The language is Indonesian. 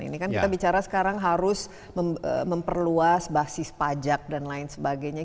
ini kan kita bicara sekarang harus memperluas basis pajak dan lain sebagainya